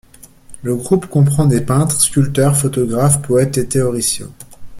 Le groupe comprend des peintres, sculpteurs, photographes, poètes et théoriciens.